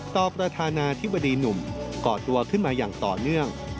ประธานาธิบดีหนุ่มก่อตัวขึ้นมาอย่างต่อเนื่อง